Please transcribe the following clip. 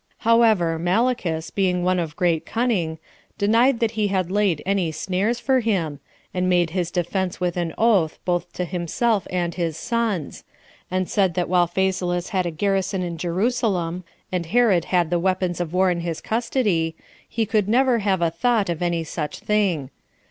However, Malichus, being one of great cunning, denied that he had laid any snares for him, and made his defense with an oath, both to himself and his sons; and said that while Phasaelus had a garrison in Jerusalem, and Herod had the weapons of war in his custody, he could never have a thought of any such thing.